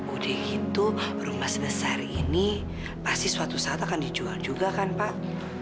udah gitu rumah sebesar ini pasti suatu saat akan dijual juga kan pak